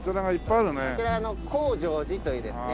あちらは向上寺というですね